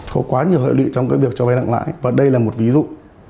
có quá nhiều hợp lý trong việc cho vay lặng lãi và đây là một ví dụ